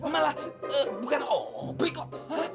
malah bukan opi kok